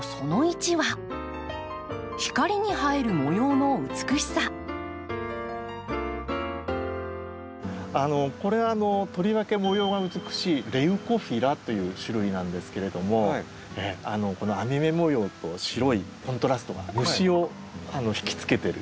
富田さんおすすめのこれとりわけ模様が美しいレウコフィラという種類なんですけれどもこの網目模様と白いコントラスが虫を引きつけてる。